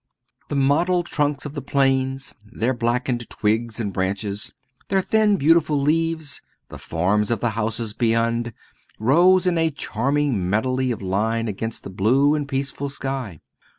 The mottled trunks of the planes, their blackened twigs and branches, their thin, beautiful leaves, the forms of the houses beyond, rose in a charming medley of line against the blue and peaceful sky.